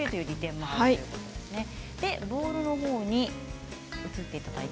ボウルの方に移っていただいて。